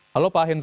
halo pak hendra